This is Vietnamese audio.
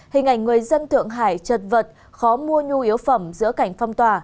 hình ảnh người dân thượng hải chật vật khó mua nhu yếu phẩm giữa cảnh phong tỏa